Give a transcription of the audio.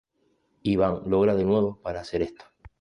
Ivan logra de nuevo para hacer esto.